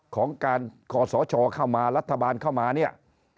ของการขอสชเข้ามารัฐบาลเข้ามาเนี่ย